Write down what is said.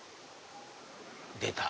出た！